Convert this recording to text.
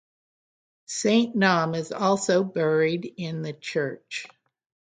Saint Naum is also buried in the church.